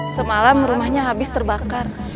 semalam rumahnya habis terbakar